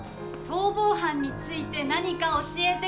逃亡犯について何か教えて下さい。